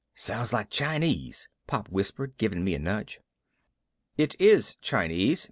"Sounds like Chinese," Pop whispered, giving me a nudge. "It is Chinese.